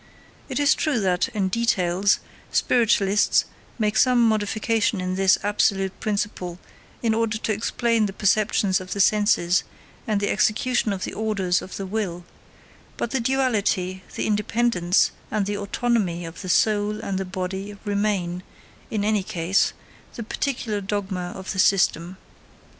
It is true that, in details, spiritualists make some modification in this absolute principle in order to explain the perceptions of the senses and the execution of the orders of the will; but the duality, the independence, and the autonomy of the soul and the body remain, in any case, the peculiar dogma of the system.